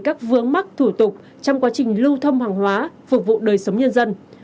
các vướng mắc thủ tục trong quá trình lưu thông hàng hóa phục vụ đời sống nhân dân